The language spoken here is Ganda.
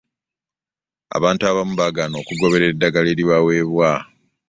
Abantu abamu bagaana okugoberera eddagala eribaweebwa.